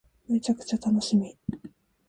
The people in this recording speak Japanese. めちゃくちゃ楽しみ